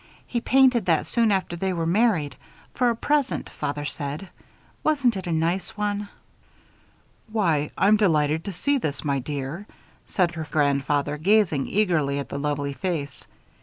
"He painted that soon after they were married. For a present, father said. Wasn't it a nice one?" "Why, I'm delighted to see this, my dear," said her grandfather, gazing eagerly at the lovely face.